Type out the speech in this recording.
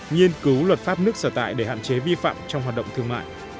nghiên cứu luật pháp nước sở tại để hạn chế vi phạm trong hoạt động thương mại